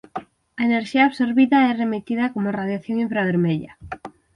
A enerxía absorbida é remitida como radiación infravermella.